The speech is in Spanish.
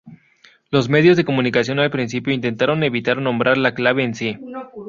Los medios de comunicación al principio intentaron evitar nombrar la clave en sí.